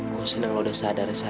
kau sedang lo udah sadar sat